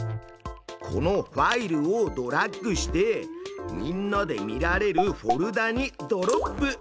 このファイルをドラッグしてみんなで見られるフォルダにドロップ！